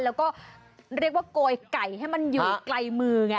แล้วก็เรียกว่าโกยไก่ให้มันอยู่ไกลมือไง